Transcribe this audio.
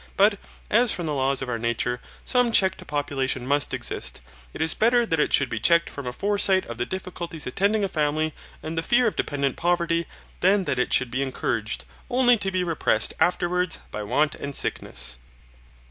But as from the laws of our nature some check to population must exist, it is better that it should be checked from a foresight of the difficulties attending a family and the fear of dependent poverty than that it should be encouraged, only to be repressed afterwards by want and sickness.